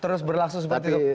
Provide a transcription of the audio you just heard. terus berlangsung seperti itu